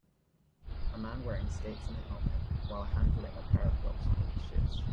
A man wearing skates and a helmet, while handling a pair of dogs on leashes.